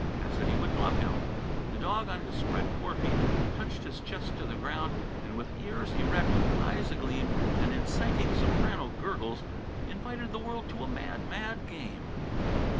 Cassidy would love him. The dog, on his spread forefeet, touched his chest to the ground and with ears erect, eyes agleam, and inciting soprano gurgles invited the world to a mad, mad, game.